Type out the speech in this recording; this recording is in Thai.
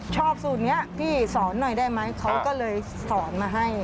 ชอบสูตรนี้พี่สอนหน่อยได้ไหมเขาก็เลยสอนมาให้